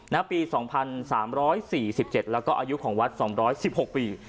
ปี๒๓๔๗แล้วก็อายุของวัด๒๑๖ปี